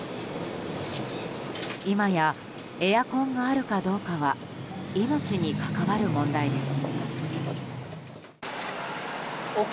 今やエアコンがあるかどうかは命に関わる問題です。